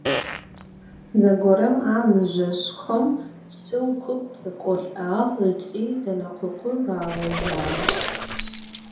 Zegorem a mızjoşşxom şşıu kup khêk'olh'ağ ıç'i zenekhokhur rağejağ.